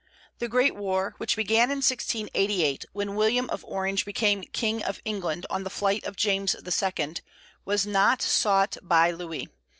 The great war which began in 1688, when William of Orange became King of England on the flight of James II., was not sought by Louis.